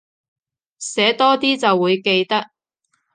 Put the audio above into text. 寫多啲就會記得